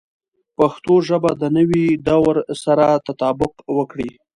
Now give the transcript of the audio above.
پښتو ژبه د نوي دور سره تطابق وکړي.